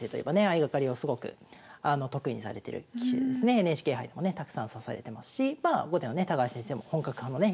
相掛かりをすごく得意にされてる棋士でですねＮＨＫ杯でもねたくさん指されてますしまあ後手のね高橋先生も本格派のね